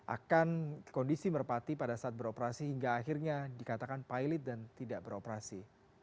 akan kondisi merpati pada saat beroperasi hingga akhirnya dikatakan pilot dan tidak beroperasi